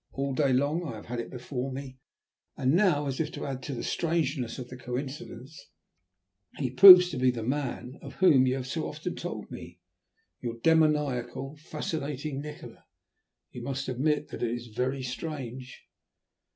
All day long I have had it before me, and now, as if to add to the strangeness of the coincidence, he proves to be the man of whom you have so often told me your demoniacal, fascinating Nikola. You must admit that it is very strange."